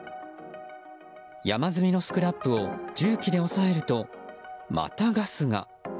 山積みのスクラップを重機で押さえると、またガスが。